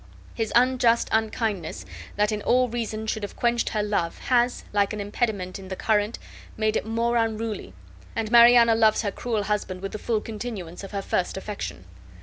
His unjust unkindness, that in all reason should have quenched her love, has, like an impediment in the current, made it more unruly, and Mariana loves her cruel husband with the full continuance of her first affection."